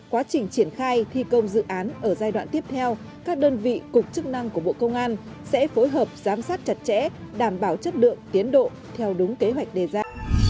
quá trình triển khai thi công dự án ở giai đoạn tiếp theo các đơn vị cục chức năng của bộ công an sẽ phối hợp giám sát chặt chẽ đảm bảo chất lượng tiến độ theo đúng kế hoạch đề ra